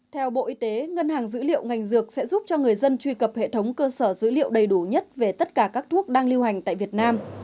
theo bộ y tế ngân hàng dữ liệu ngành dược sẽ giúp cho người dân truy cập hệ thống cơ sở dữ liệu đầy đủ nhất về tất cả các thuốc đang lưu hành tại việt nam